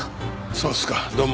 そうですかどうも。